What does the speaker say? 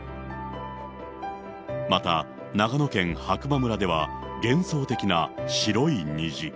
また、長野県白馬村では、幻想的な白い虹。